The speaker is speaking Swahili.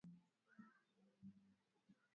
Mimea kuwa na sumu huwa ni chanzo cha ugonjwa huu